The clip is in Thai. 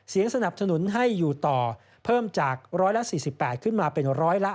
เสียงสนับสนุนให้อยู่ต่อเพิ่มจาก๔๘ขึ้นมาเป็น๑๕๓